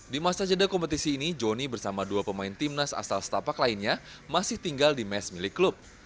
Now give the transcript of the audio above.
di masa jeda kompetisi ini johnny bersama dua pemain timnas asal setapak lainnya masih tinggal di mes milik klub